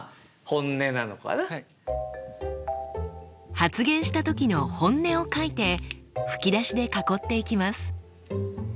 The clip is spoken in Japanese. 発言した時の本音を書いて吹き出しで囲っていきます。